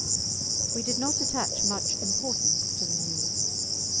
We did not attach much importance to the news.